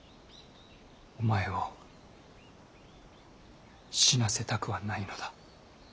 お前を死なせたくはないのだ。